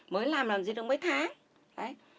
mới làm làm gì được mới thái